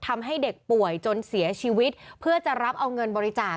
ทำให้เด็กป่วยจนเสียชีวิตเพื่อจะรับเอาเงินบริจาค